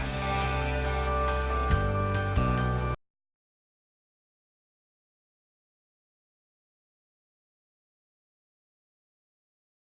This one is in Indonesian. pemerintah inggris mengatakan telah mengalokasikan dana enam puluh miliar rupiah